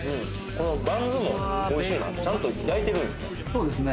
このバンズもおいしいなちゃんと焼いてるんですか？